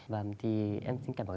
và thì em xin cảm nhận